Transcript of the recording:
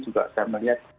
juga saya melihat